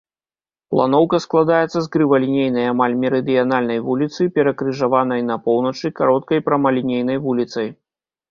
Планоўка складаецца з крывалінейнай амаль мерыдыянальнай вуліцы, перакрыжаванай на поўначы кароткай прамалінейнай вуліцай.